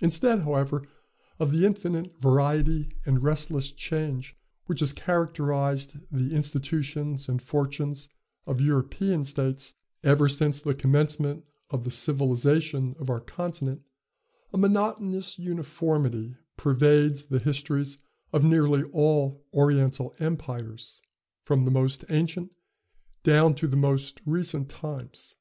Instead, however, of the infinite variety and restless change which has characterized the institutions and fortunes of European states ever since the commencement of the civilization of our continent, a monotonous uniformity pervades the histories of nearly all Oriental empires, from the most ancient down to the most recent times.